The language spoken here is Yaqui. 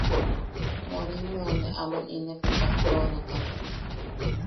Morimmeune aman inepo patronekan.